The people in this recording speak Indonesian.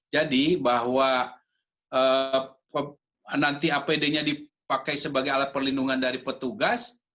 jadi bahwa nanti apd nya dipakai sebagai alat perlindungan dari petugas